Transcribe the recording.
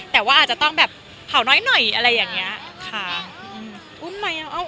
แต่ว่าอาจจะต้องแบบเผาน้อยหน่อยอะไรอย่างนี้ค่ะ